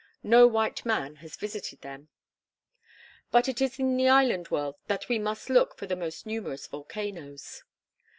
No white man has visited them. But it is in the island world that we must look for the most numerous volcanoes.